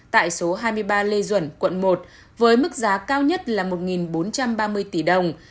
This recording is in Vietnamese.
tại số hai mươi ba lê duẩn quận một với mức giá cao nhất là một bốn trăm ba mươi tỷ đồng